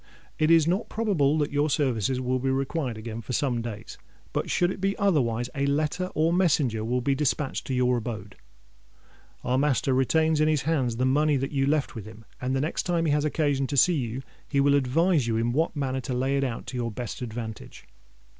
"It is not probable that your services will be required again for some days: but should it be otherwise, a letter or a messenger will be dispatched to your abode. Our master retains in his hands the money that you left with him; and the next time he has occasion to see you, he will advise you in what manner to lay it out to your best advantage.